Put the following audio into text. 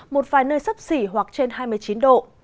một vài nơi sấp xỉ hoặc trên hai mươi chín độ